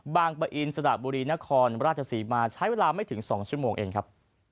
ปะอินสระบุรีนครราชศรีมาใช้เวลาไม่ถึง๒ชั่วโมงเองครับ